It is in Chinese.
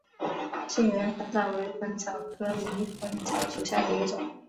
近圆粉虱为粉虱科迷粉虱属下的一个种。